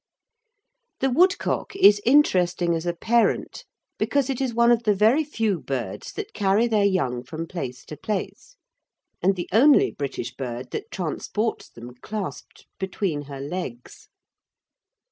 The woodcock is interesting as a parent because it is one of the very few birds that carry their young from place to place, and the only British bird that transports them clasped between her legs.